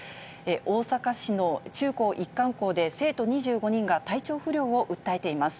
大阪市の中高一貫校で、生徒２５人が体調不良を訴えています。